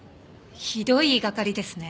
ひどい言いがかりですね。